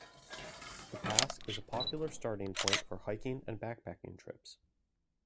The pass is a popular starting point for hiking and backpacking trips.